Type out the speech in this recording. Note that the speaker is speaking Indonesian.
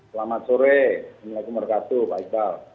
selamat sore assalamualaikum wr wb